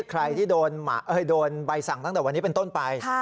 ใครที่โดนใบสั่งตั้งแต่วันนี้เป็นต้นไป